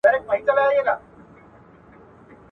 د افغانستان خاوره د زړورو خلکو وطن دی.